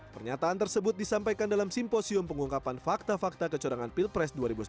pernyataan tersebut disampaikan dalam simposium pengungkapan fakta fakta kecorangan pilpres dua ribu sembilan belas